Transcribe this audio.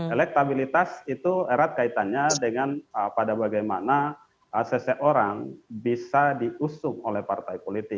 elektabilitas itu erat kaitannya dengan pada bagaimana seseorang bisa diusung oleh partai politik